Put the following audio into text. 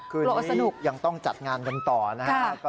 คือนี้ยังต้องจัดงานกันต่อนะฮะ